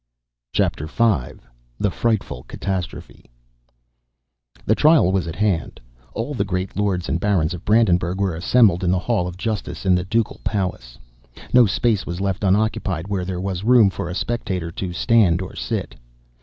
CHAPTER V. THE FRIGHTFUL CATASTROPHE. The trial was at hand. All the great lords and barons of Brandenburgh were assembled in the Hall of Justice in the ducal palace. No space was left unoccupied where there was room for a spectator to stand or sit.